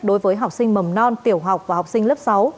đối với học sinh mầm non tiểu học và học sinh lớp sáu